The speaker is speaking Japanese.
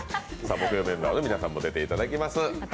木曜メンバーの皆さんにも出ていただきます。